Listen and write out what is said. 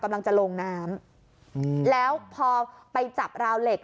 กำลังจะลงน้ำอืมแล้วพอไปจับราวเหล็ก